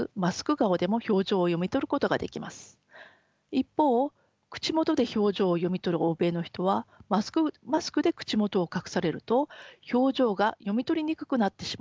一方口元で表情を読み取る欧米の人はマスクで口元を隠されると表情が読み取りにくくなってしまうのです。